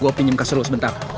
gue pinjam kasur lu sebentar